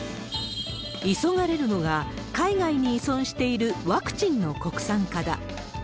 急がれるのが、海外に依存しているワクチンの国産化だ。